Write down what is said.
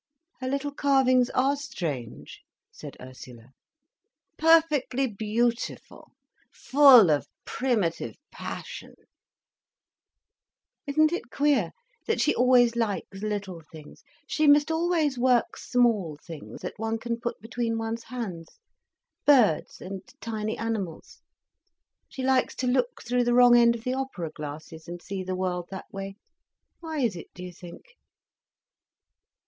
"Her little carvings are strange," said Ursula. "Perfectly beautiful—full of primitive passion—" "Isn't it queer that she always likes little things?—she must always work small things, that one can put between one's hands, birds and tiny animals. She likes to look through the wrong end of the opera glasses, and see the world that way—why is it, do you think?"